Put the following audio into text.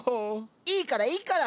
いいからいいから。